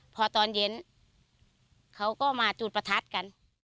พอตอนเย็นเขาก็มาจุดประทัดกัน